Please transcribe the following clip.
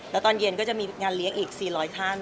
แล้วตอนเย็นก็จะมีงานเลี้ยงอีก๔๐๐ท่าน